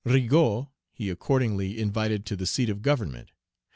Rigaud he accordingly invited to the seat of government.